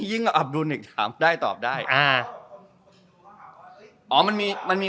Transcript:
ยิ่งอับดูนิกถามได้ตอบได้อ่าอ๋อมันมีมันมี